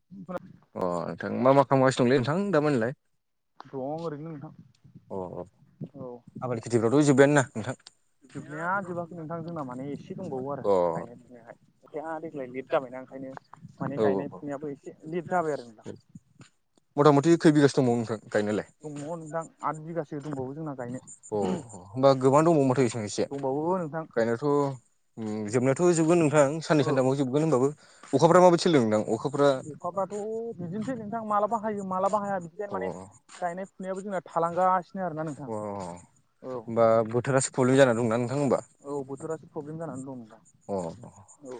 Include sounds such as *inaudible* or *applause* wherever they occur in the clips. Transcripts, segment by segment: *inaudible* अ नोंथां मा मा खालामगासिनो दंलै नोंथां दामानिलाय? दं ओरैनो नोंथां। अ औ औ आबाद खेथिफ्रावथ' जोब्बायानो ना नोंथां। जोबनाया जोबाखै नोंथां जोंना माने एसे दंबावो आरो अ औ गायनोबो हाय देग्लाय लेट जाबायना ओंखायनो माने औ गायनाय औ फुनायाबो एसे लेट जाबाय आरो नोंथां मथा मथि खै बिगासो दंबावो नोंथां गायनोलाय दङ नोंथां। आद बिगासो दंबावो जोंना गायनो अ होनबा गोबां दंबावोमोनथायो एसेबां एसो दंबावो नोंथां गायनाय जोबनायाथ' जोबगोन नोंथां साननै औ सानथामाव जोबगोन होनबाबो अखाफोरा माबायदि सोलोंदों नोंथां अखा अखाफ्राथ' बिदिनोसै नोंथां मालाबा हायो मालाबा हाया बिदिखायनो अ माने गायनाय फुनायाबो जोंना थालांगासिनो आरोना नोंथां अ औ होमबा बोथोरासो प्रब्लेम जाना दंना नोंथां होमबाना औ बोथोरासो प्रब्लेम जानानै दं अ नोंथां औ ओ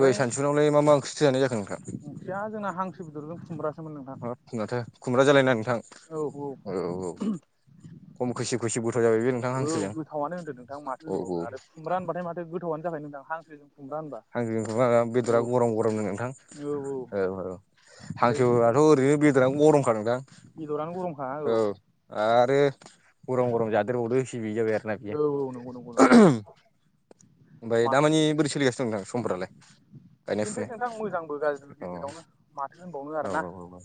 दहाय सानसुनावलाय मा मा ओंख्रिथो जानाय जाखो नोंथां ओंख्रिया जोंना हांसो बेदरजों खुमब्रासोमोन नोंथां हाब माथो खुमब्रा जालायना नोंथां औ औ खम खैसि खुसि गोथाव जाबाय बे नोंथां औ हांसोजों गोथावआनो होनदो नोंथां माथो औ होनबावनो आरो औ खुमब्रा होनबाथाय माथो गोथावानो जाखोन नोंथां हांसो जों खुमब्रा होनबा? हांसो *unintelligible* बेदरा औ गरम गरम ना नोंथां औ औ। हांसोथ' बेबायदिनोसै ओरैनो बेदरानो गरमखा नोंथां। बेदरानो गरमोन औ आरो गरम गरम जादेरबावदो। गिबि जाबाय आरो ना औ नंगौ नंगौ बिया नंगौ ओमफ्राय मा दामानानि बोरै सोलिगासिनो दं नोंथां समफोरालाया बिदिनोसै नोंथां मोजांबो गाज्रिबो औ औ गेजेरावनो माथो होनबावनो आरो ना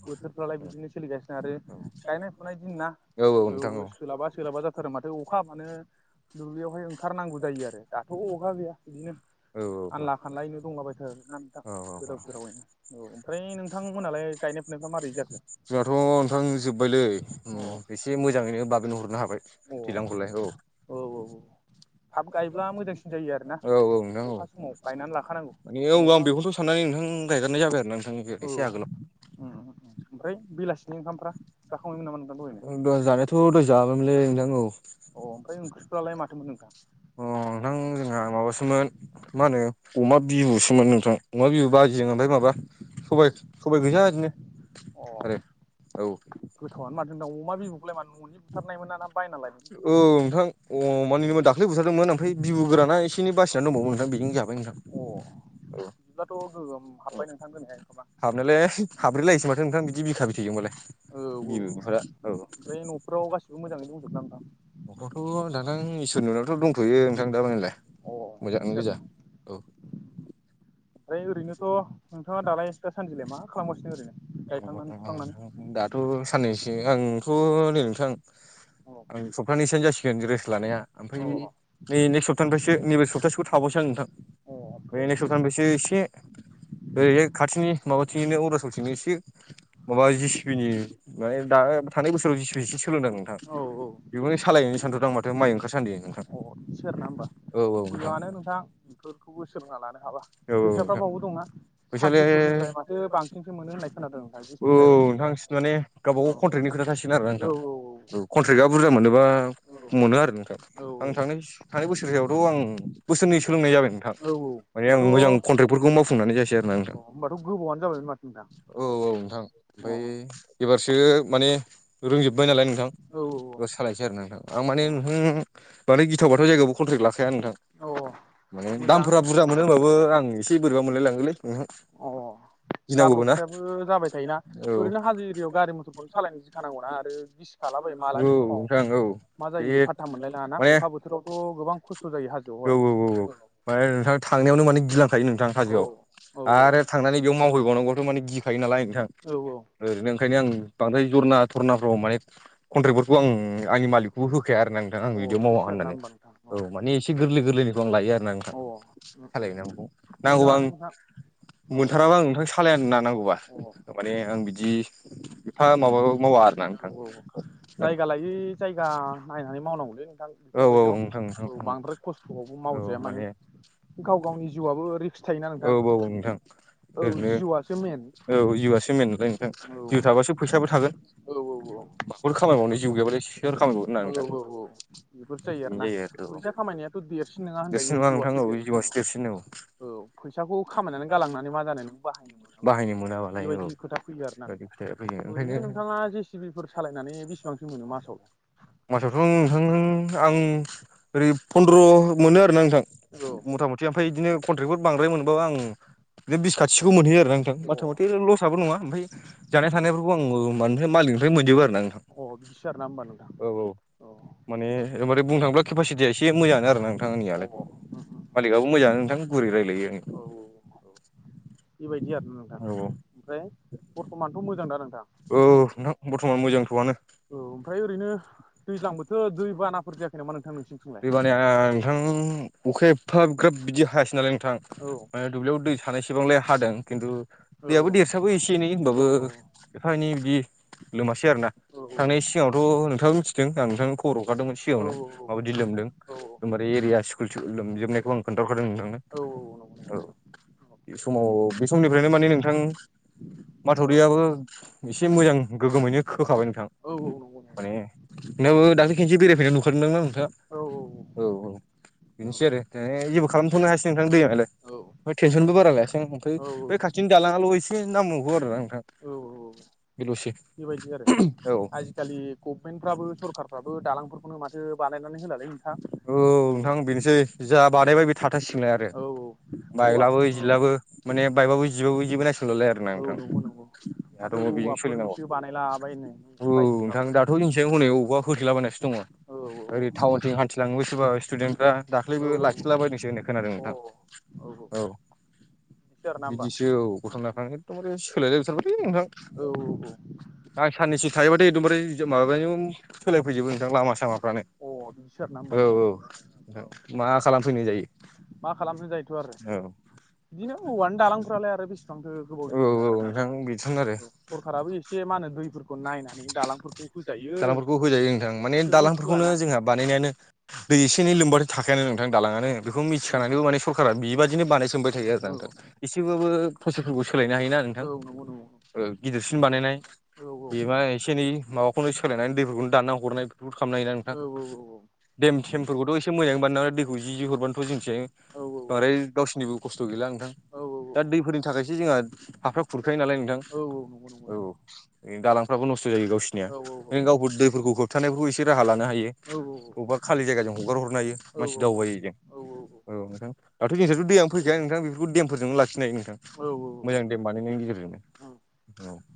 बोथोरफ्रालाय बिदिनो सोलिगासिनो दं। आरो औ गायनाय फुनाय दिन ना औ औ नोंथां औ सोलाबा सोलाबा जाथारो माथो अखा हाबानो दुब्लियावहाय ओंखारनांगौ जायो आरो दाथ' अखा गैया बिदिनो *unintelligible* आनला खानलायैनो दंलाबायथारो ना नोंथां गोदाव सोरावैनो औ ओमफ्राय नोंथांमोनालाय गायनाय फुनायफ्रा मारै जाखो जोंहाथ' नोंथां जोब्बायलै अ एसे मोजाङैनो बाबेन हरनो हाबाय। अ *unintelligible* औ औ औ। थाब गायब्ला मोजांसिन जायो आरोना औ औ नोंथां औ। अखा समाव गायनानै लाखानांगौ माने औ नङाबा आं बेखौथ' साननानै नोंथां गायगारनाय जाबाय आरो ना नोंथांनि औ एसे आगोलावा ओमफ्राय बेलासिनि ओंखामफ्रा जाखांबायमोन नामा नोंना दहाय जानायाथ' दहाय जायामायोनलै नोंथां औ। अ ओमफ्राय ओंख्रिफोरालाय माथोमोन नोंथां? अ नोंथां जोंहा माबासोमोना मा होनो अमा बिबुसोमोन नोंथां अमा बिबु बाजिजों ओमफाय माबा सबाय सबाय गोजा ओरैनो आरो औ। गोथावानो माथों नोंथां अमा बिबुखौलाय मा न'नि बुथारनाय मोन ना बायनालायमोना औ नोंथां अमानिमोन दाख्लै बुथदोंमोन ओमफ्राय बिबु गोराना एन बासिना दंबावो नोंथां बेजोंनो जाबाय नोंथां। अ औ बिदिब्लाथ' गोगोम हाबबाय नोंथां दोनैहाय खोमा हाबनायलाय हाबब्रैलायोसो माथो नोंथाङा बिदि बिखा औ औ बिथैजोंबालाय बिबुफोरा औ। ओमफ्राय न'फोराव गासिबो मोजाङै दंजोबोना नोंथां। न'खरावथ' दाथां इसोरनि अननायावथ' दंथ'यो नोंथां दामानिलाया। अ बिदिनो आरो ना? ओमफ्राय ओरैनोथ' नोंथाङा दालाय दा सानदिलाय मा खालामगासिनो ओरैनो गायखांनानै फुखांनानै। दाथ' साननैसो आंथ' नै नोंथां आं। औ आं सप्तानैसोयानसो जासिगोन रेस्ट लानाया ओमफ्राय। औ औ नै नेक्स्ट स्ताहानिफ्रायसो नैबे सप्तासेखौ थाबावसै आं नोंथा अ बे ओमफ्राय नेक्स्ट सप्ताहानिफ्रायसो एसे ओरैहाय खाथिनि माबाथिंनिनो अरुणाचलथिंनो एसे माबा सिपि नि माने दा थां बोसोराव जि सिपि एसे सोलोंदों नोंथां। औ औ ओ बेखौनो सालायहैनो सानथ'दां आं माथो माइ ओंखारसानदि अ बिदिसो आरो ना होनबा मोजाङानो नोंथां बेफोरखौबो सोलोंना लानो हाबा औ औ फैसाफ्रा नोंथां बावबो दंना फैसा साख्रिफोरनिफ्राय माथो लायाखैनो बांसिनसो मोनो होननाय खोनादों नोंथां जेसिपि औ नोंथां द्राइभारफोरखौहाय सि माने गावबा औ गाव कन्ट्रेटनि खोथा थासिगोन आरो औ नोंथां कन्ट्रेक्टआ बुरजा मोनोबा औ मोनो आरो नोंथां औ आं थांनाय थांनाय बोसोरसेयावथ' आं बोसोरनै सोलोंनाय जाबाय औ औ ओमफ्राय आं होमबाथ' अ मोजां कन्ट्रेटफोरखौ मावफुंनानै जायासै आरो ना नोंथां होमबाथ' गोबावानो जाबायमोन माथो नोंथां औ औ नोंथां अ औ ओमफ्राय एबारसो माने रोंजोब्बाय नालाय नोंथां औ औ औ सालायनोसै आरो नोंथां आं माने अ नोंथां माने गिथाव बाथाव जायगायावबो कन्ट्रेक्ट लाखाया नोंथां औ औ माने मोजां दामफोरा बुरजा मोनो होनबाबो आं एसे बोरैबा मोनलायलाङोलै नोंथां गिनांगौबो ना जाब्रथायाबो जाबाय थायोना औ ओरैनो हाजो एरियायाव गारि मथरफोरखौ सालायनो गिखानांगौना आरो बि थालाबायायो मालानि समाव नोंथां औ मा जायो बे फाथथा मोनलाय लाङाना माने अखा बोथोरावथ' गोबां खस्थ' जायो हाजोआवहाय औ ओमफ्राय नोंथां थांनायावनो माने गिलांखायो नोंथां औ हाजोआव औ आरो थांनानै बेयाव मावहैबावनांगौआथ' माने गिखायो नालाय नोंथां औ औ ओरैनो ओंखायनो आं बांद्राय जरना धरनाफ्राव माने कन्ट्रेक्टफोरखौ आं आंनि मालिक बेबो होखाया आरो ना नोंथां आं अ बिदियाव मावा बिदिसो आरोना होननानै होमबा नोंथां औ माने एसे गोरलै गोरलैनिखौ आं लायो आरो ना नोंथां अ सालायनांगौ नांगौबा मोजाङानो आं नोंथां औ मोनथाराबा आं नोंथां सालायानो ना नांगौबा अ माने आं बिदि एफा माबाबो मावा आरोना नोंथां औ औ जायगा लायै जायगा नायनानै मावनांगौलै नोंथां औ औ नोंथां बेफोरबायदियाव नोंथां बांद्राय खस्थ'आवबो मावजाया माने गाव गावनि जिउआबो रिक्स थायोना औ नोंथां औ नोंथां औ ओरैनो जिउआसो मेन जों औ जिउ थाबासो फैसाबो थागोन औ औ बेफोर खामानि मावनो जिउ गैयाबालाय सोर खामायबावगोन ना औ नोंथां औ औ बेफोरसो बिदिनो आरोना जायो आरो ना फैसा खामायनायाथ' देरसिन देरसिन होनजायो नङा नोंथां जिउआसो औ जिउआसो देरसिन औ फैसाखौ खामायनानै गालांनानै मा जानो नों बाहायनो मोनाब्ला बाहायनो मोनाबालाय बेबायदि खोथा फैयो आरोना नोंथां औ खोथाया फैयो ओरैनो ओंखायनो नोंथाङा जेसिबिफोर सालायनानै बेसेबांसिम मोनो मासआव मासावथ' नोंथां आं ओरै फन्द्र मोनो आरोना नोंथां औ मथा मथि ओमफ्राय बिदिनो कन्ट्रेकफोर बांद्राय मोनबावा आं बे बिस खाथिखौ मोनहैयो आरो नोंथां अ मथा मथि लस आबो नङा ओमफ्राय जानाय थानायफोरखौ आंङो माने मालिकनिफ्राय मोनजोबो आरो नोंथां अ बिदि सो आरो ना होनबा नोंथां औ औ माने ओमफ्राय बुंनो थाङोब्ला केपासिटिया एसे मोजाङानो आरोना नोंथां अ औ आंनियालाय मालिकआबो मोजां नोंथां गुरै रायलायो औ बेबायदि आरो नों औ ओमफ्राय बर्थमानथ' मोजां दा नोंथां औ नोंथां बर्थ'मान मोजांथ'आनो औ ओमफ्राय ओरैनो दैज्लांबोथ' दै बानाफोर जायाखै नामा नोंथां नोंसिनिथिंलाय दैबानाया नोंथां अखाया एफा ग्राब बिदि हायासै नालाय नोंथां औ दुब्लियाव दै थानायसेबांलाय हादों खिन्थु दैयाबो औ देरसाबो एसे एनै होनबाबो एफा एनै बिदि लोमासै आरोना थांनाय सिगाङावथ' नोंथाङाबो मिथिदों आं नोंथांनो खबर हरखादोंमोन औ सिगाङावनो माबायदि लोमदों एकदमबारे एरिया स्कुल थिकुल लोमजोबनायखौ आं खोन्थाहरखादों नोंथांनो औ समाव बे समनिफ्रायनो माने नोंथां माथावरियाबो एसे मोजां गोगोमैनो खोखाबाय नोंथां औ माने नोंनाबो दाखिलै खेनसे बेरायफैनाय नुखादों ना नोंथाङा औ औ औ बेनोसै आरो है जेबो खालामथ'नो हायासै नोंथां दैआलाय ओमफ्राय टेनसनबो बारा लायासै आ ओमफ्राय औ बे खाथिनि दाङाल' एसे नांबावगौ आरो ना नोंथां औ बेल'सो बेबायदि आरो आजिखालि गभमेन्टफ्राबो सरखारफ्राबो दालांफोरखौनो माथो बानायनानै होलालै नोंथां औ उम *unintelligible* नोंथां बेनोसै जा बानायबाय बे थाबथासिगोनलाय आरो औ औ औवा बाइब्लाबो औ जिब्लाबो माने बायबाबो जिबाबो जिबो नायसनलालाय आरो ना औ नोंथां नंगौ नंगौ दाथ' माथो बेजों सोलिनांगौ औवाफोरनिसो बानायलाबायनो औ नोंथां रायजोफ्राबो दा थ' जोंनिसायाव हनै अबावबा होथोलाबायनासो दङ औ औ ओरै टाउनथिं हान्थिलाङोबो सोबा स्टुदेन्टफ्रा दाख्लैबो औ लाखिलाबायनोसै होनो खोनादों औ नोंथां औ औ आरोना होमबा बिदिसो औ गथनाफा एकदमबारे सोलायला जोबथारबायलै नोंथां औ आं साननैसो थायोबाथाय एकदमबारे माबानि सोलायफैजोबो नोंथां लामा सामाफ्रानो अ बिदिसो आरोना होमबा औ नोंथां औ मा खालामफैनाय जायो मा खालामनो जायोथ' आरो औ बिदिनो औवानि दालांफ्रालाय आरो बेसेबांथो गोबाव औ जोरनो औ आरोना नों नोंथां बिदिनो आरो सरखाराबो एसे मा होनो दैफोरखौ नायनानै दालांफोरखौ होजायो दालांफोरखौ होजायो नोंथां माने बिसोरबो दालांफोरखौनो होआना जोंहा बानायनायानो दै एसे एनै लोमबा थाखायानो नोंथां दालाङानो बेखौ औ मिथिखानानैबो माने सरकारा बेबायदिनो बानाय सोमबाय थायो आरो नोंथां औ एसेबाबो फसलफोरखौ सोलायनो हायोना नोंथां औ नंगौ नंगौ गिदिरसिन बानायनाय औ औ औ बेमा एसे एनै माबाखौनो सोलायनानै दैफोरखौनो दानना हरनाय बेफोरखौ खालामनाय होयो ना औ नोंथां देम थेमफोरखौथ' एसे मोजाङै बानायना दैखौ जि हरबानोथ' जोंथिं औ बांद्राय गावसोरनि बो खस्थ' गैला नोंथां औ नंगौ औ दा दैफोरनि थाखायसो जोंहा हाफ्रा खुरखायो नालाय नोंथां औ औ नंगौ नंगौ औ दालांफ्राबो नस्थ' जायो गावसोरनिया गावफोर दैफोरखौ होबथानायफोरखौ एसे राहा लानो हायो बबेबा खालि जायगाजों हगार हरनो हायो मानसि दावबायो जों औ नोंथां दाथ' जोंस्राथ' दैयानो फैखाया नोंथां बेफोरखौ देमफोरजोंनो लाखिनो हायो नोंथां औ औ औ मोजां देम बानायनायनि गेजेरजों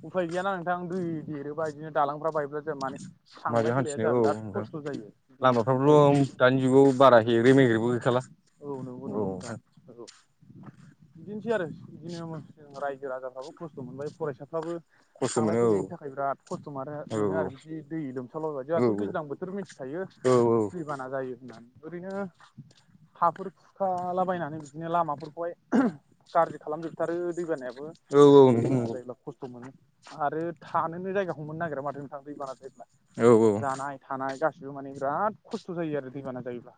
उफाय गैयाना नोंथां दै देरोबा बिदिनो दालांफ्रा बायब्ला जाया माने माजों थांलाय फैलाया हान्थिनो जोंहा औ बिराद नोंथां खस्थ' जायो बिदिनो लामाफ्रावथ' औ दानि जुगाव बारा हेगे मेग्रेबो गैखाला औ नंगौ नंगौ नोंथां औ बिदिनोसै आरो बिदिनो जों रायजो राजाफ्राबो खस्थ' मोनबाय फरायसाफ्राबो खस्थ' थांलाय मोनो फैलायनि थाखाय बिराद खस्थ' मानो औ मोनो आरो बिदि दै लोमसावलायबाय औ जोंहाथ' दैज्लां बोथोर मिथिखायो औ दै बाना जायो होननानै ओरैनो हाफोर खुरखालाबायनानै बिदिनो लामाफोरखौहाय गाज्रि खालामजोबथारो दैबानायाबो औ औ नोंथां दैबाना नंगौ जायो ब्ला खस्थ' मोनो आरो थानोनो जायगाखौ मोननो नागिरा माथो नोंथां दैबाना जायोब्ला औ औ जानाय थानाय गासिबो माने बिराद खस्थ' जायो आरो दैबाना जायोब्ला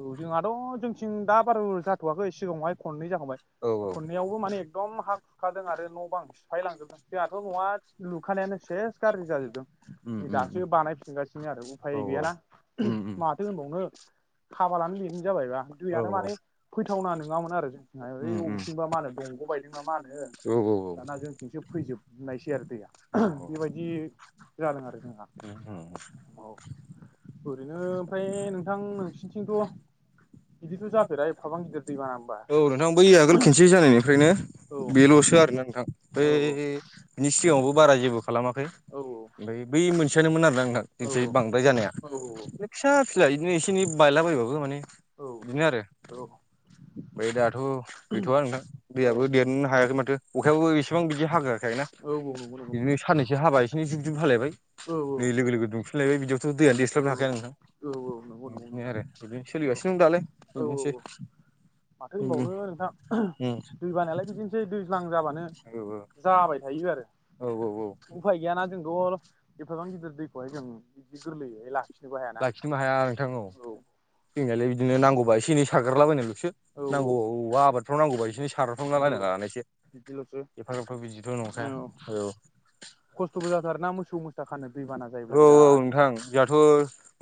औ जोंहाथ' जोंथिं दा बार जाथ'वाखै सिगाङावहाय खननै जा खांबाय औ औ खननैआवबो माने एकदम हा खुरखादों आरो न' बां सिफाय लांजोबदों जोंहाथ' न'आ लुखानायानो सेस गाज्रि जाजोबदों उम नै दासो बानायफिनगासिनो आरो उफाय गैयाना उम माथो उम होनबावनो खाफालानो बेनो जाबायबा दैयानो माने फैथावना नङामोन आरो जों औ *unintelligible* बबेथिंबा मा होनो दंग' बायदोंना मा होनो दाना जोंथिंसो फैजोबनायसै आरो दैया बेबायदि जादों आरो जोंहा औ ओरैनो ओमफ्राय नोंथां नोंसोरनिथिंथ बिदिथ जाफेरा एफाबां गिदिर दैबाना होनबा औ नोंथां बै आगोल खनसे जानायनिफ्रायनो माथो बे लसो आरोना नोंथां बै बिनि सिगाङावबो बारा जेबो खालामाखै ओमफ्राय बै मोनसेयानोमोन आरो ना नोंथां इथिं बांद्राय जानाया होनबावनो फिसा फिला बिदिनो एसे एनै बायलाबायबाबो माने बिदिनो आरो बेै दाथ गैथआ नोंथां दैयाबो देरनो हायाखै माथो अखायाबो एसेबां बिदि हागोआखै ना बिदिनो साननैसो हाबा एसे एनै जुब जुब हालायबाय नै लोगो लोगो दुफिनलायबाय बिदियावथ दैया देस्लाबनो हाखाया नोंथां बिदिनो नोंथां आरो बिदिनो सोलिगासिनो दं दालाय बिदिनोसै ओ उम नोंथां औ दै बानायालाय बिदिनोसै दैज्लां जाबानो जाबाय थायो आरो औ औ औ उफाय गैयाना जोंथ एफाबां गिदिर दैखौहाय जों बिदि गोरलैयैहाय लाखिनोबो हायाना दा नोंथां औ जोंनायलाय बिदिनो नांगौबा एसे एनै सारलाबायनाय लसोना औ नांगौआव आबादफ्राव नांगौबा एसे एनै साराफ्रावला औ बायना लानायसो बिदिलसो एफाग्राबथ बिदिथ औ नंखाया औ खस्थ'बो जाथारोना मोसौ मोसा खानो दैबाना जायोब्ला *unintelligible* औ औ बिराद नोंथां जाहाथ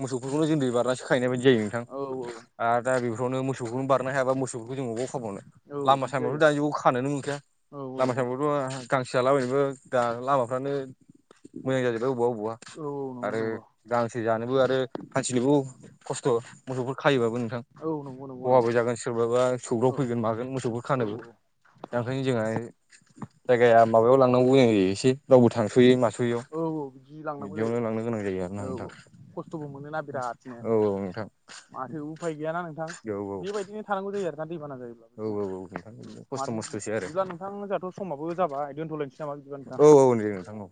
मोसौफोरखौनो जों दै बारनासो खाहैनाय बायदि जायो नोंथां औ औ आरो दा बेफोरावनो मोसौखौनो बार नो हायाबा मोसौफोरखौ जों अबाव खाबावनो औ लामा बिदि सामथ जायो दानि जुगाव खोनोनो मोनखाया औ औ लामा औ सामायावथ गांसो जलाबायबो दा लामाफ्रानो मोजां जाजोबबाय अबावबा औ अबावबा नंगौ आरो नंगौ गांसो जानोबो आरो खानथिंनोबो खस्थ मोसौफोर खायोबाबो नोंथां औ नंगौ नंगौ नंगौ खहाबो जागोन सोरबाबा औ सौग्राव फैगोन मागोन मोसौफोर औ खानोबो दा ओंखायनो जोंहा जायगाया माबायाव लांनांगौ गोनां जायो एसे रावबो थांसयै मासयैयाव औ औ बिदि लांनांगौ बिदियावनो जायो लांनो गोनां जायो आरोन औ नोंथां औ खस्थ'बो मोनोना बिरादनो औ औ नोंथां उफाय गैयाना औ बेबायदिनो औ थानांगौ जायो आरो ना दैबाना जायोब्ला औ जोंहा औ नोंथां खस्थ' माथो मस्थ'सो आरो बिदिबा नोंथां जोंहाथ समाबो जाबाय दोनथलायनोसै नामा बिदिबा नोंथां सोलियो नोंथां औ